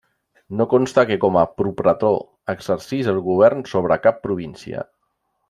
No consta que com a propretor exercís el govern sobre cap província.